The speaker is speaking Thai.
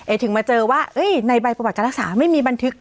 ถึงมาเจอว่าในใบประวัติการรักษาไม่มีบันทึก